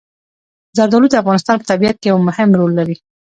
زردالو د افغانستان په طبیعت کې یو مهم رول لري.